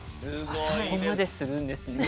そこまでするんですね。